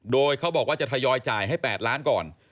โดยเขาบอกว่าจะทยอยจ่ายให้๘ล้านก่อน